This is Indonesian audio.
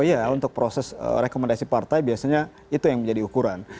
iya untuk proses rekomendasi partai biasanya itu yang menjadi ukuran